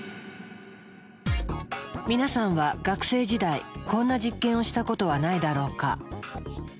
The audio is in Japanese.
皆さんは学生時代こんな実験をしたことはないだろうか？